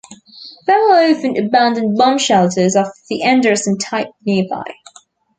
There were often abandoned bomb shelters of the 'Anderson' type nearby.